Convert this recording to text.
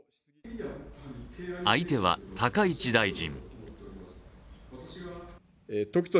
相手は高市大臣。